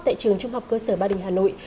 tại trường trung học cơ sở ba đình hà nội